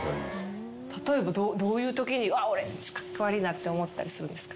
例えばどういうときに俺カッコ悪いなって思ったりするんですか？